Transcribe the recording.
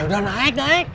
nah udah naik naik